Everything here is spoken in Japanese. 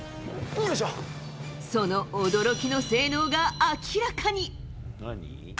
その驚きの性能が明らかに。